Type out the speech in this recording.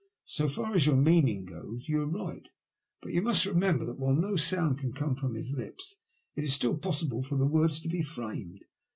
So far as your meaning goes, you are right. But you must remember that, while no sound can come from his lips, it is still possible for the words to be framed.